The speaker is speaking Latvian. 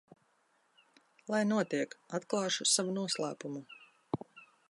Lai notiek, atklāšu savu noslēpumu.